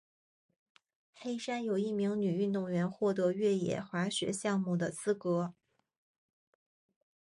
黑山有一名女运动员获得越野滑雪项目的资格。